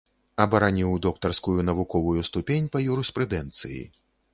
Абараніў доктарскую навуковую ступень па юрыспрудэнцыі.